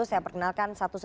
saya perkenalkan satu satu